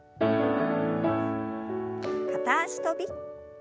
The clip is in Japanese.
片脚跳び。